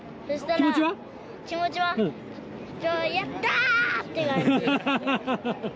気持ちは、やったー！って感じ。